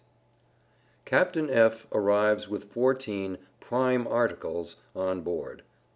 CAPTAIN F. ARRIVES WITH FOURTEEN "PRIME ARTICLES" ON BOARD.